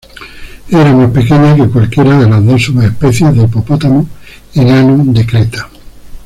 Era más pequeña que cualquiera de las dos subespecies de hipopótamo enano de Creta.